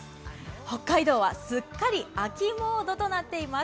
北海道はすっかり秋モードとなっています。